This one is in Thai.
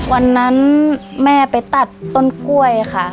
วันนั้นแม่ไปตัดต้นกล้วยค่ะ